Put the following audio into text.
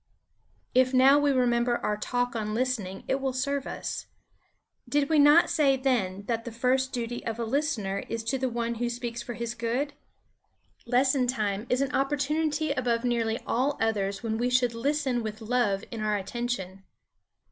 If now we remember our Talk on Listening it will serve us. Did we not say then that the first duty of a listener is to the one who speaks for his good? Lesson time is an opportunity above nearly all others when we should listen with love in our attention.